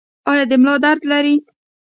ایا د ملا درد لرئ؟